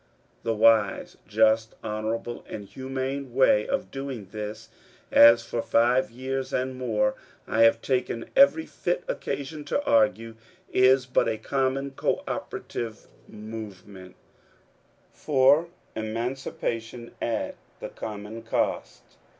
The wise, just, honourable, and humane way of doing this — as for five years and more I have taken every fit occasion to argue — is by a common cooperative movement for emancipation, at the com mon cost.